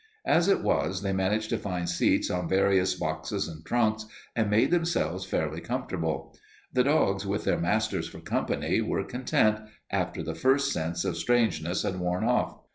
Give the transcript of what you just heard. As it was, they managed to find seats on various boxes and trunks and made themselves fairly comfortable. The dogs, with their masters for company, were content, after the first sense of strangeness had worn off.